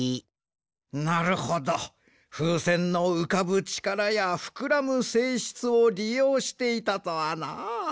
なるほどふうせんのうかぶちからやふくらむせいしつをりようしていたとはな。